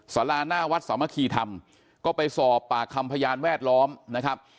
สาราหน้าวัดสามัคคีธรรมก็ไปสอบปากคำพยานแวดล้อมนะครับ